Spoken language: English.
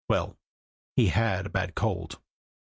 Well, he had a bad cold.